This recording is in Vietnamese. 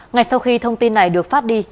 ngày sau khi thông tin này được phát đi